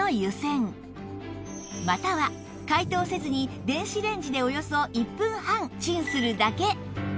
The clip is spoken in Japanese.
または解凍せずに電子レンジでおよそ１分半チンするだけ